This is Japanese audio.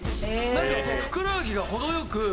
なんかふくらはぎが程良く。